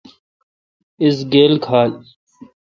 اس گیل کھال۔